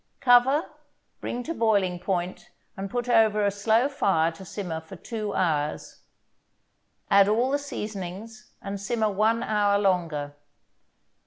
Cover, bring to boiling point, and put over a slow fire to simmer for two hours. Add all the seasonings and simmer one hour longer.